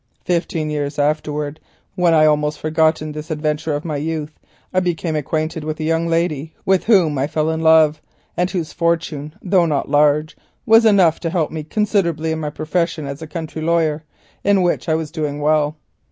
Fifteen years afterwards, when I had almost forgotten this adventure of my youth, I became acquainted with a young lady with whom I fell in love, and whose fortune, though not large, was enough to help me considerably in my profession as a country lawyer, in which I was doing well.